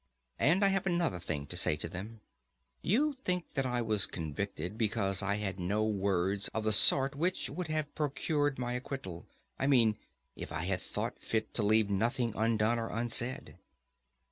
And I have another thing to say to them: you think that I was convicted because I had no words of the sort which would have procured my acquittal—I mean, if I had thought fit to leave nothing undone or unsaid.